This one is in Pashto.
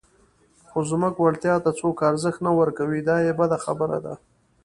خو زموږ وړتیا ته څوک ارزښت نه ورکوي، دا یې بده خبره ده.